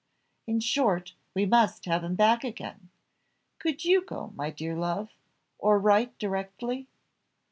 In short, we must have him back again; could you go, my dear love or write directly?"